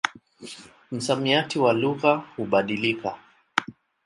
Msamiati wa lugha hubadilika.